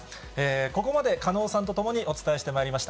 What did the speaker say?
ここまで、狩野さんとともにお伝えしてまいりました。